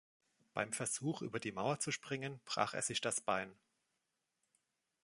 Beim Versuch, über die Mauer zu springen, brach er sich das Bein.